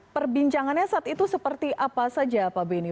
perbincangannya saat itu seperti apa saja pak beni